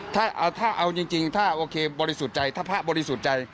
ถ้าเอาจริงถ้าโอเคบริสุทธิ์ใจถ้าพระบริสุทธิ์ใจ